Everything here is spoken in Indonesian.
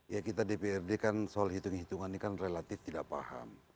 ya kita dprd kan soal hitung hitungan ini kan relatif tidak paham